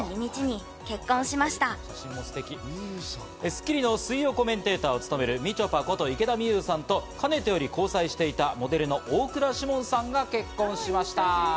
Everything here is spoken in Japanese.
『スッキリ』の水曜コメンテーターを務める、みちょぱこと池田美優さんとかねてより交際していたモデルの大倉士門さんが結婚しました。